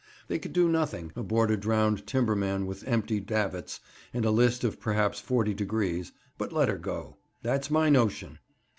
They could do nothing, aboard a drowned timberman with empty davits, and a list of perhaps forty degrees, but let her go. That's my notion.